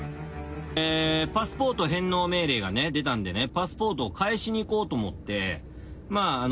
パスポート返納命令が出たんでね、パスポートを返しに行こうと思って。